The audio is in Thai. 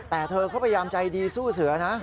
แต่เธอก็พยายามใจดีสู้เสือนะ